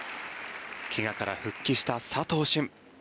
怪我から復帰した佐藤駿。